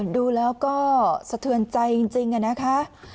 ดูแล้วก็สะเทือนใจจริงนะคะ